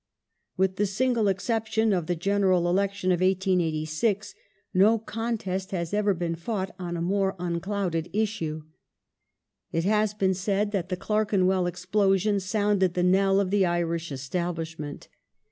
With the single exception of the General Election of 1886, no contest has ever been fought on a more unclouded issue. It has been said that the Clerken well explosion sounded the knell of the Irish Establishment.